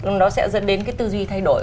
nó sẽ dẫn đến cái tư duy thay đổi